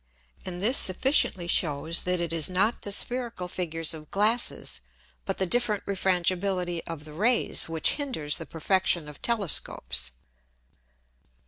And this sufficiently shews that it is not the spherical Figures of Glasses, but the different Refrangibility of the Rays which hinders the perfection of Telescopes.